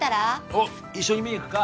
おっ一緒に見に行くか？